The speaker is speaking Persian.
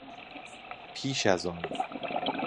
پیش از آن